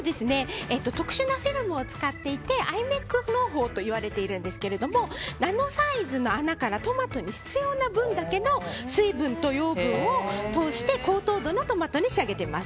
特殊なフィルムを使っていてナノサイズの穴からトマトに必要な分だけの水分と養分を通して高糖分のトマトに仕上げています。